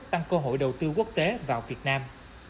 tăng cơ hội đầu tư quốc tế vào việt nam